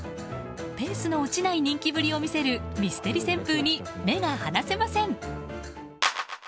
ペースの落ちない人気ぶりを見せるミステリ旋風に目が離せません。